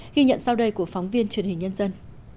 ghi nhận sau đây của phóng viên truyền hình nhân dân